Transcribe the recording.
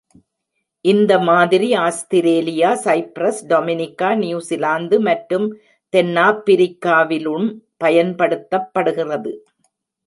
இந்த மாதிரி Australia, Cyprus, Dominica, New Zealand மற்றும் தென்னாப்பிரிக்காவிலும் பயன்படுத்தப்படுகிறது.